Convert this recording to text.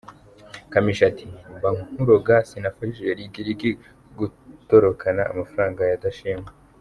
Kamichi ati: "Mba nkuroga sinafashije Lick Lick gutorokana amafaranga ya Dashim!!!".